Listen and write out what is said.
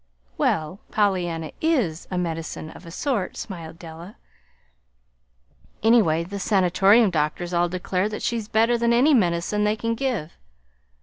"Well, Pollyanna IS a medicine of a sort," smiled Della. "Anyway, the Sanatorium doctors all declare that she's better than any medicine they can give.